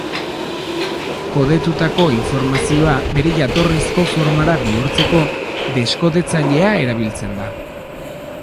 Kodetutako informazioa bere jatorrizko formara bihurtzeko, deskodetzailea erabiltzen da.